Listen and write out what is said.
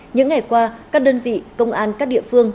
những ngày qua các đơn vị công an các địa phương